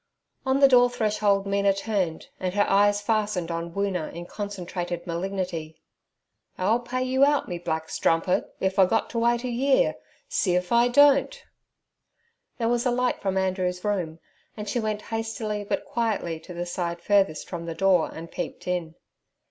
On the door threshold Mina turned, and her eyes fastened on Woona in concentrated malignity. 'I'll pay you out, me black strumpit, if I got t' wait a year. See if I don't.' There was a light from Andrew's room, and she went hastily but quietly to the side furthest from the door and peeped in.